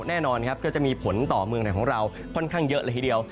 แน่นอนครับก็จะมีผลต่อเมืองไหนของเราค่อนข้างเยอะเลยทีเดียว